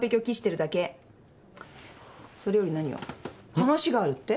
話があるって？